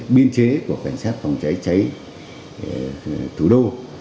biên chế của cảnh sát phòng cháy cháy thủ đô